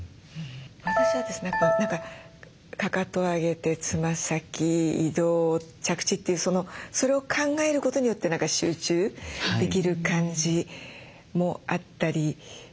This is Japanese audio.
私はですね何かかかと上げてつま先移動着地というそのそれを考えることによって何か集中できる感じもあったりして。